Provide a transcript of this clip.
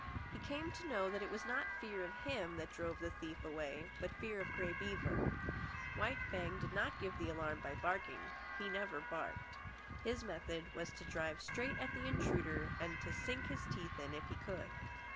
He came to know that it was not fear of him that drove the thief away, but fear of Grey Beaver. White Fang did not give the alarm by barking. He never barked. His method was to drive straight at the intruder, and to sink his teeth in if he could.